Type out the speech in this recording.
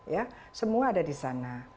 ya semua ada di sana